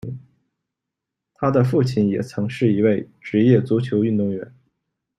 他的父亲也曾是一位职业足球运动员。